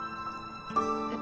えっ？